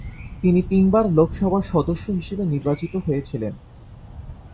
তিনি তিনবার লোকসভার সদস্য হিসেবে নির্বাচিত হয়েছিলেন।